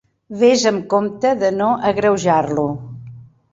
Ves amb compte de no agreujar-lo.